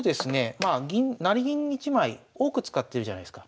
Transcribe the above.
まあ成銀１枚多く使ってるじゃないすか。